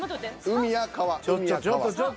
海や川。